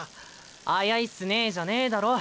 速いっすねーじゃねーだろ！